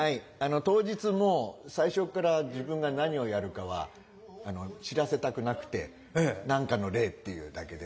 当日も最初っから自分が何をやるかは知らせたくなくて何かの霊っていうだけで。